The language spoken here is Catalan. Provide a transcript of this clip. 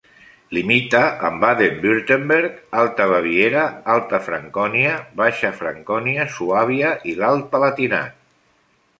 Limita amb Baden-Württemberg, Alta Baviera, Alta Francònia, Baixa Francònia, Suàbia i l'Alt Palatinat.